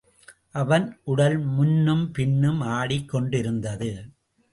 அவன் உடல் முன்னும் பின்னும் ஆடிக் கொண்டிருந்தது.